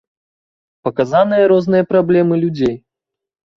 Паказаныя розныя праблемы людзей.